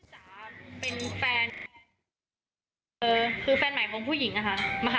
ดนตรี๓เป็นแฟนของผู้หญิงอ่ะอ่ะ